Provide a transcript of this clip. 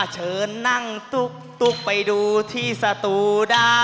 เชิญนั่งตุ๊กไปดูที่สตูด้า